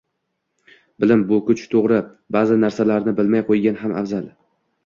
Bilim – bu kuch. To‘g‘ri, ba’zi narsalarni bilmay qo‘ygan ham afzal.